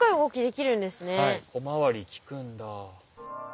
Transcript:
小回りきくんだ。